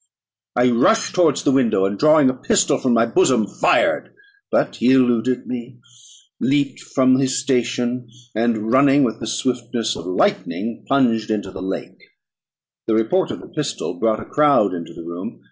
I rushed towards the window, and drawing a pistol from my bosom, fired; but he eluded me, leaped from his station, and, running with the swiftness of lightning, plunged into the lake. The report of the pistol brought a crowd into the room.